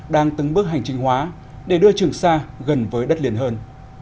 đang tứng bước hành trình hóa để đưa trường sa gần với đất liền hơn